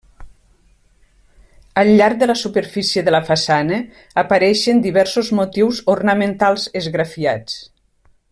Al llarg de la superfície de la façana apareixen diversos motius ornamentals esgrafiats.